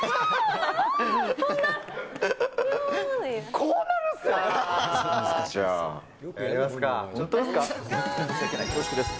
こうなるんすよ！